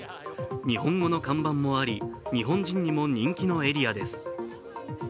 日本語の看板もあり、日本人にも人気のエリアです。